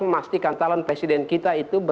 memastikan calon presiden kita itu